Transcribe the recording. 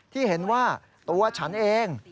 ที่เห็นว่าตัวฉันเอง